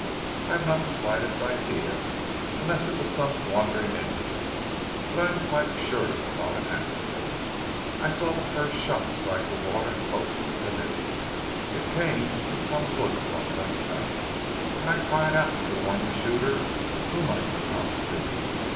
"I have not the slightest idea, unless it was some wandering Indian, but I am quite sure it was not an accident. I saw the first shot strike the water close to the canoe. It came from some woods on the left bank, and I cried out to warn the shooter whom I could not see.